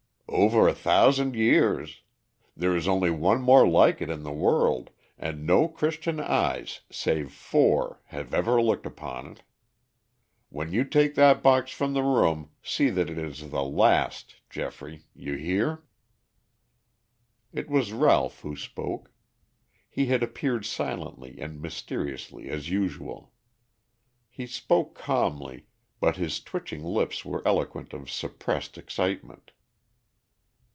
"Over a thousand years. There is only one more like it in the world, and no Christian eyes save four have ever looked upon it. When you take that box from the room, see that it is the last, Geoffrey. You hear?" It was Ralph who spoke. He had appeared silently and mysteriously as usual. He spoke calmly, but his twitching lips were eloquent of suppressed excitement.